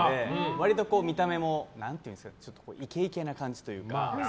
割と見た目もイケイケな感じというか。